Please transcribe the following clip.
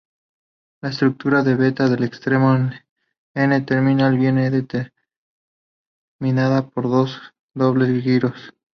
La estructura beta del extremo N-terminal viene determinada por dos dobles giros.